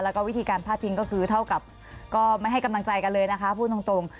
แล้วก็วิธีการพาดพิงก็คือเท่ากับก็ไม่ให้กำลังใจกันเลยนะคะพูดตรง